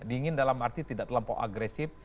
dingin dalam arti tidak terlampau agresif